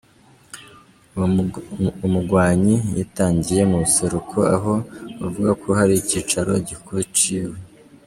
Uwo mugwanyi yitangiye mu buseruko aho bavuga ko hari icicaro gikuru ciwe.